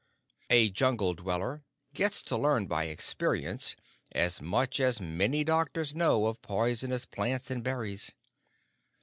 A Jungle dweller gets to learn by experience as much as many doctors know of poisonous plants and berries.